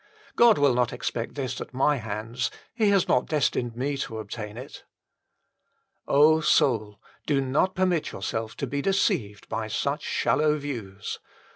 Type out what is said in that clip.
God will not expect this at my hands : He has not destined me to obtain it." soul, do not permit yourself to be deceived by such shallow views.